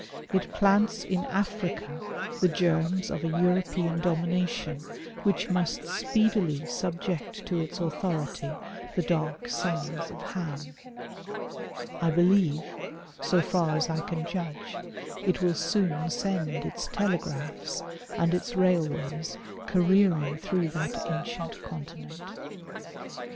It plants in Africa the germs of a European domin ation, which must speedily subject to its authority the dark sons of Ham. I believe, so far as I can judge, it will soon send its telegraphs and its railways careering through that ancient Continent.